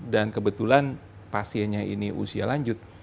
dan kebetulan pasiennya ini usia lanjut